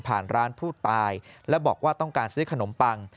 ร้านผู้ตายและบอกว่าต้องการซื้อขนมปัง